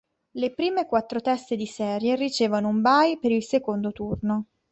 Le prime quattro teste di serie ricevono un bye per il secondo turno.